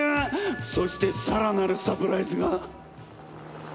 そして更なるサプライズが！